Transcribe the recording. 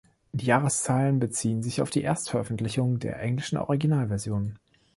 Die Jahreszahlen beziehen sich auf die Erstveröffentlichung der englischen Originalversion.